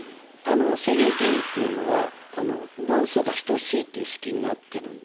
正弦定理っていうのは分数が等しいっていう式になってるんですね。